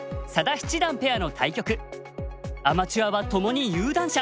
アマチュアはともに有段者。